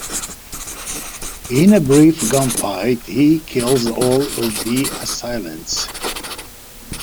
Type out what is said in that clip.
In a brief gunfight, he kills all of the assailants.